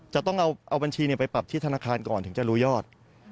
จะต้องเอาบัญชีไปปรับที่ธนาคารก่อนถึงจะรู้ยอด